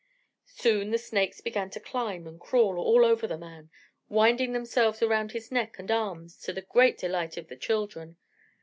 Soon the snakes began to climb and crawl all over the man, winding themselves around his neck and arms to the great delight of the children.